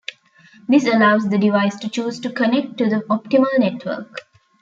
This allows the device to choose to connect to the optimal network.